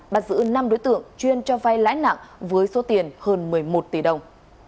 bắt giữ năm đối tượng chuyên cho vay lãi nặng với số tiền hơn một mươi một tỷ đồng